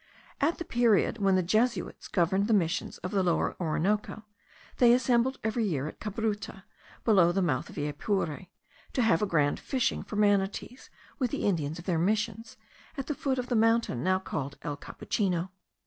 At the period when the Jesuits governed the Missions of the Lower Orinoco, they assembled every year at Cabruta, below the mouth of the Apure, to have a grand fishing for manatees, with the Indians of their Missions, at the foot of the mountain now called El Capuchino.